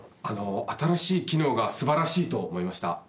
あの新しい機能が素晴らしいと思いました。